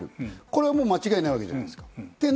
これは間違いないわけじゃないですか。